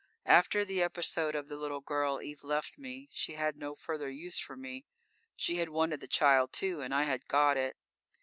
_ _After the episode of the little girl, Eve left me. She had no further use for me; she had wanted the child, too, and I had got it.